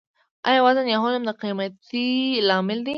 آیا وزن یا حجم د قیمتۍ لامل دی؟